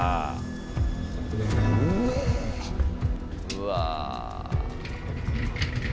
うわ。